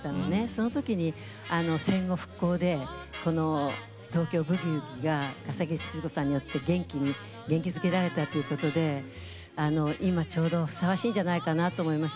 その時に戦後復興でこの「東京ブギウギ」が笠置シヅ子さんによって元気づけられたっていうことで今ちょうどふさわしいんじゃないかなと思いました。